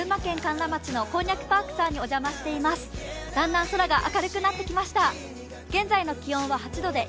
だんだん空が明るくなってきました。